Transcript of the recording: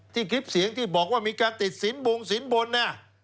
ที่คลิปเสียงที่บอกว่ามีการติดศิลป์บุงศิลป์บน